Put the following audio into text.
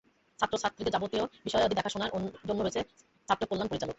ছাত্র-ছাত্রীদের যাবতীয় বিষয়াদি দেখাশোনার জন্যে রয়েছে ছাত্র কল্যাণ পরিচালক।